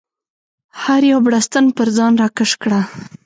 هر یو بړستن پر ځان راکش کړه.